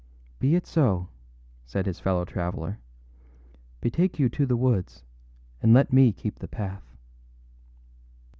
â âBe it so,â said his fellow traveller. âBetake you to the woods, and let me keep the path.